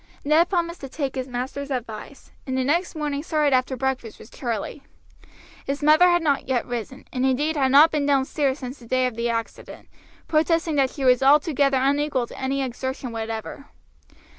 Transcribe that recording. Ned promised to take his master's advice, and the next morning started after breakfast with Charlie. His mother had not yet risen, and indeed had not been downstairs since the day of the accident, protesting that she was altogether unequal to any exertion whatever.